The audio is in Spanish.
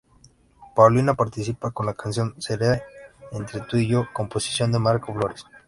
Paulina participa con la canción "Será Entre Tú y Yo" composición de Marco Flores.